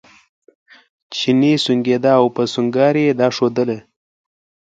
چیني سونګېده او په سونګاري یې دا ښودله.